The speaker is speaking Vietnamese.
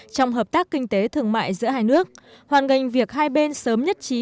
trong hợp tác kinh tế thường mại giữa hai nước hoàn nghênh việc hai bên sớm nhất trí